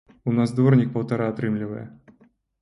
У нас дворнік паўтара атрымлівае.